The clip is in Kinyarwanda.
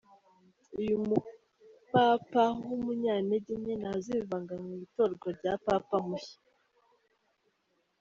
Uyu mupapa w’umunyantege nke ntazivanga mu itorwa rya Papa mushya.